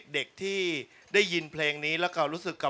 พอฟังเพลงนะแล้วเรารู้สึกว่า